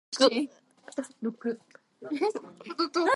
His first marriage to Arlene Munro Cederberg ended in divorce.